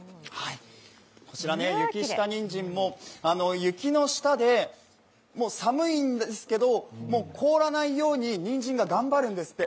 こちら、雪下にんじん、雪の下で寒いんですけど、凍らないようににんじんが頑張るんですって。